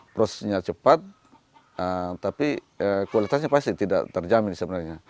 prosesnya cepat tapi kualitasnya pasti tidak terjamin sebenarnya